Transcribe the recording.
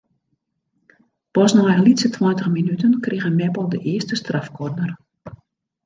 Pas nei in lytse tweintich minuten krige Meppel de earste strafkorner.